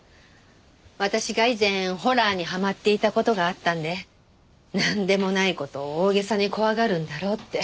私が以前ホラーにはまっていた事があったんでなんでもない事を大げさに怖がるんだろうって。